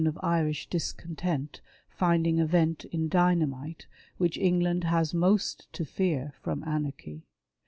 of Irish discontent finding a vent in dynamite which England has most to fear from anarchy.